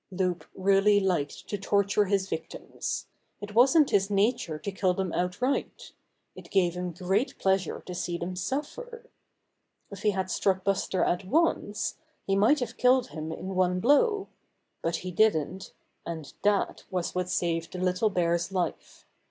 Loup really liked to torture his victims. It wasn't his nature to kill them outright. It gave him great pleasure to see them suffer. If he had struck at Buster at once, he might have killed him in one blow; but he didn't, and that was what saved the little bear's life.